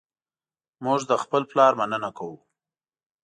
موږ له خپل پلار مننه کوو.